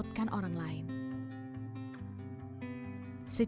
tapi hanya sampai kasas script